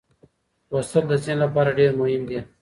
لوستل د ذهن لپاره ډېر مهم دي.